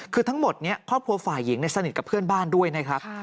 คือทั้งหมดนี้ครอบครัวฝ่ายหญิงสนิทกับเพื่อนบ้านด้วยนะครับ